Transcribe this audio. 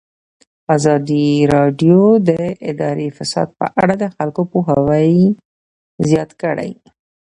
ازادي راډیو د اداري فساد په اړه د خلکو پوهاوی زیات کړی.